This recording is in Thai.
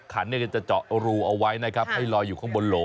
ขันจะเจาะรูเอาไว้นะครับให้ลอยอยู่ข้างบนโหล